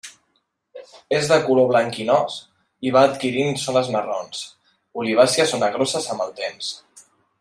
És de color blanquinós i va adquirint zones marrons, olivàcies o negroses amb el temps.